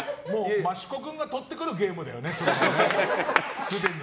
益子君が取ってくるゲームだよね、すでに。